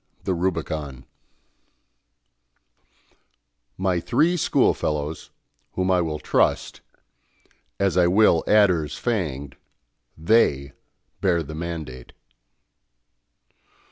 The Rubicon "My three schoolfellows, Whom I will trust as I will adders fanged; They bear the mandate."